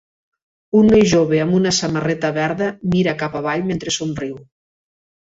Un noi jove amb una samarreta verda mira cap avall mentre somriu